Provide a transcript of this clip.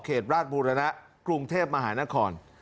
เขตราชบุรณะพรุ่งเทพฯมหานคร